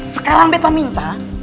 sekarang beta minta